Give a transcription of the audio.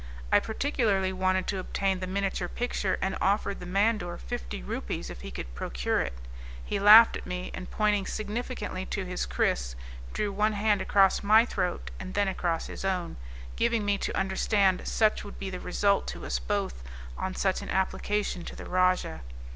I particularly wanted to obtain the miniature picture, and offered the Mandoor fifty rupees if he could procure it; he laughed at me, and pointing significantly to his kris, drew one hand across my throat, and then across his own, giving me to understand such would be the result to us both on such an application to the rajah.